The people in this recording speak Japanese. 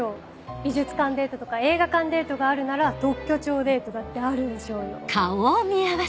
美術館デートとか映画館デートがあるなら特許庁デートだってあるでしょうよ。